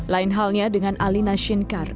lain halnya dengan alina shinkar